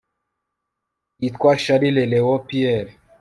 yitwa charles léon pierre